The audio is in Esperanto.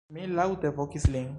Mi laŭte vokis lin.